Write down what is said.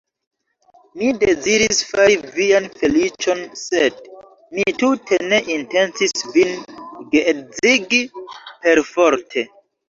Mi deziris fari vian feliĉon, sed mi tute ne intencis vin geedzigi perforte.